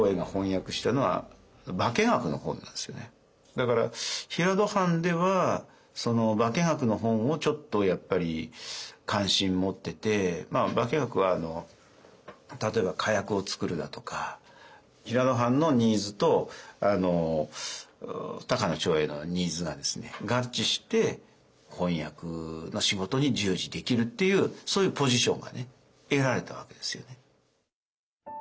だから平戸藩ではその化学の本をちょっとやっぱり関心持ってて化学は例えば火薬を作るだとか平戸藩のニーズと高野長英のニーズが合致して翻訳の仕事に従事できるっていうそういうポジションが得られたわけですよね。